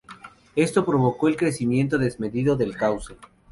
Esto provocó el crecimiento desmedido del cauce.